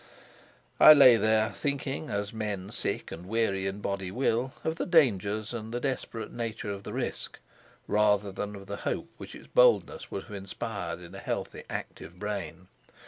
I lay there, thinking, as men sick and weary in body will, of the dangers and the desperate nature of the risk, rather than of the hope which its boldness would have inspired in a healthy, active brain.